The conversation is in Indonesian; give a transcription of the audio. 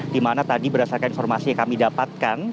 di mana tadi berdasarkan informasi yang kami dapatkan